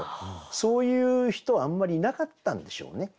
そういう人はあんまりいなかったんでしょうね。